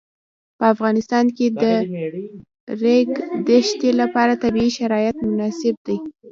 په افغانستان کې د د ریګ دښتې لپاره طبیعي شرایط مناسب دي.